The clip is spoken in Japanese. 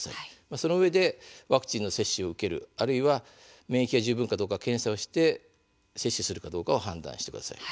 そのうえでワクチンの接種を受けるあるいは免疫が十分かどうか検査して接種するかどうか判断してください。